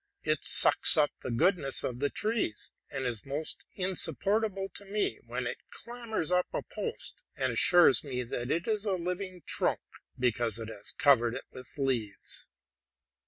It sucks up the goodness of the trees, and is most insupportable to me when it clam bers up a post, and assures me that this is a living trunk, because it has covered it with leaves."